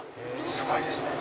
すごいですね。